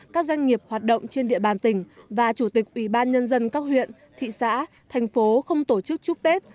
các doanh nghiệp hoạt động trên địa bàn tỉnh và chủ tịch ủy ban nhân dân các huyện thị xã thành phố không tổ chức chúc tết